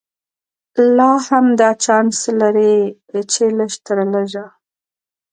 لا هم دا چانس لري چې لږ تر لږه.